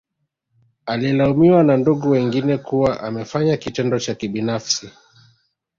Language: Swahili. Alilaumiwa na ndugu wengine kuwa amefanya kitendo cha kibinafsi